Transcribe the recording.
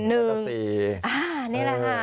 นี่แหละค่ะ